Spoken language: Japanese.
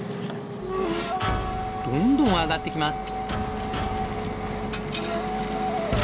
どんどん上がってきます。